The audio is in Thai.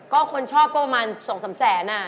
ก็คนชอบประมาณ๒๓สันอ่ะ